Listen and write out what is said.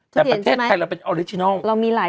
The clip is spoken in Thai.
แต่ประเทศไทยเราเป็นออริจินัล